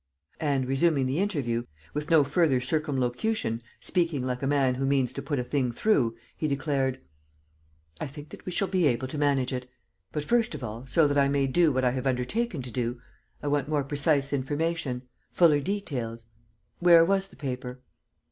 And, resuming the interview, with no further circumlocution, speaking like a man who means to put a thing through, he declared: "I think that we shall be able to manage it. But, first of all, so that I may do what I have undertaken to do, I want more precise information, fuller details. Where was the paper?"